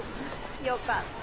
よかった。